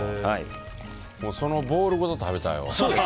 そのボウルごと食べたいわ。